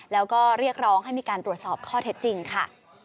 แล้วก็เรียกร้องให้มีการตรวจสอบข้อเท็จจริงค่ะ